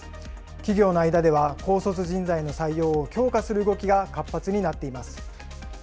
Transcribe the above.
企業の間では、高卒人材の採用を強化する動きが活発になっています。